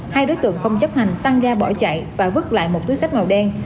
hai đối tượng không chấp hành tăng ga bỏ chạy và vứt lại một túi sách màu đen